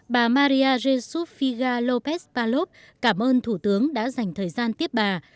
bà maria jesus figa lópez palop cảm ơn thủ tướng đã dành thời gian tiếp bà